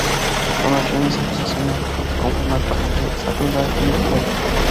Con ocho años empezó a soñar con formar parte de "Saturday Night Live".